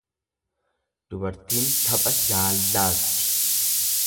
Dubartiin tapha jaallaatti.